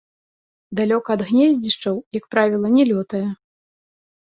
Далёка ад гнездзішчаў, як правіла, не лётае.